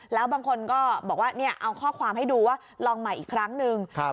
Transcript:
แล้วบางคนก็บอกว่าเนี่ยเอาข้อความให้ดูว่าลองใหม่อีกครั้งหนึ่ง